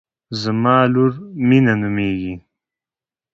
زما لور مینه نومیږي